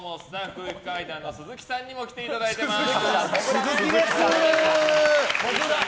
空気階段の鈴木さんにも来てもらってます。